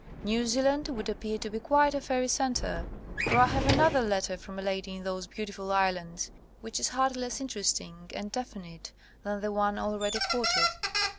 New Zealand would appear to be quite a fairy centre, for I have another letter from a lady in those beautiful islands, which is hardly less interesting and definite than the one already quoted.